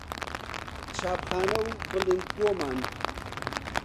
چاپخانە و بڵیندگۆمان